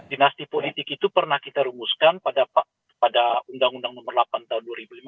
dinasti politik itu pernah kita rumuskan pada undang undang nomor delapan tahun dua ribu lima belas